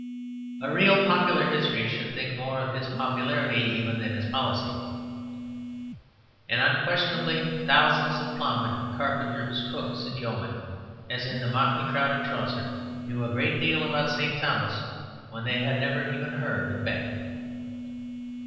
A real popular history should think more of his popularity even than his policy. And unquestionably thousands of ploughmen, carpenters, cooks, and yeomen, as in the motley crowd of Chaucer, knew a great deal about St. Thomas when they had never even heard of Becket.